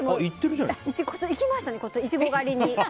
行きましたね、イチゴ狩りに。